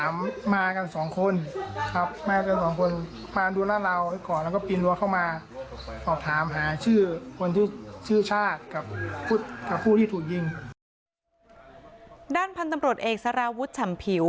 ด้านพันธ์ตำรวจเอกสารวุฒิฉัมผิว